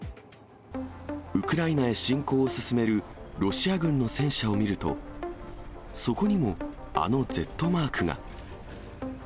ウクライナへ侵攻を進めるロシア軍の戦車を見ると、そこにも、あのＺマークが。